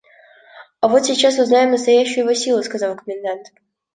– А вот сейчас узнаем настоящую его силу, – сказал комендант.